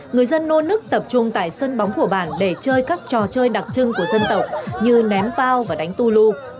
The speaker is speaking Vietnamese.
người dân nôn nức tập trung tại sân bóng của bản để chơi các trò chơi đặc trưng của dân tộc như ném bao và đánh tu lù